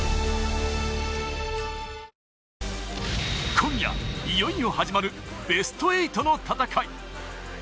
今夜、いよいよ始まるベスト８の戦い。